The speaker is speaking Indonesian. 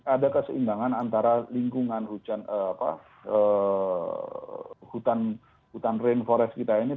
ada keseimbangan antara lingkungan hutan rainforest kita ini